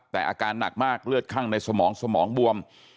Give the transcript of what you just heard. แต่อาการหนักมากเลือดข้างในสมองสมองบวม